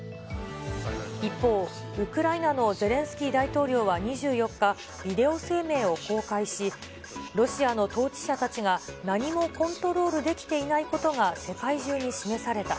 一方、ウクライナのゼレンスキー大統領は２４日、ビデオ声明を公開し、ロシアの統治者たちが何もコントロールできていないことが世界中に示された。